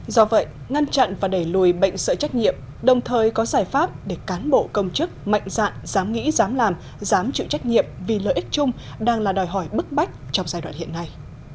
do vậy ngăn chặn và đẩy lùi bệnh sợi trách nhiệm đồng thời có giải pháp để cán bộ công chức mạnh dạn dám nghĩ dám làm dám chịu trách nhiệm vì lợi ích chung đang là đòi hỏi bức bách trong giai đoạn hiện nay